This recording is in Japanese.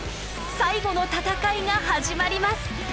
最後の戦いが始まります！